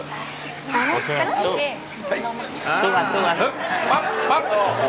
ตู้กันตู้กัน